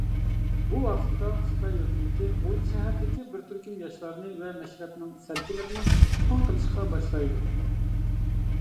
بۇ ۋاقىتتا خىتاي ھۆكۈمىتى غۇلجا شەھىرىدىكى بىر تۈركۈم ياشلارنى ۋە مەشرەپنىڭ سەركىلىرىنى تۇتقۇن قىلىشقا باشلايدۇ.